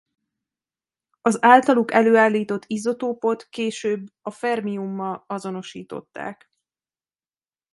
Az általuk előállított izotópot később a Fm-mal azonosították.